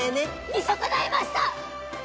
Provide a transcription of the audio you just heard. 見損ないました！